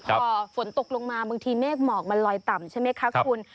พอฝนตกลงมาบางทีเมฆหมอกมันลอยต่ำใช่ไหมคะคุณ